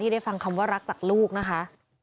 ได้ฟังคำว่ารักจากลูกนะคะ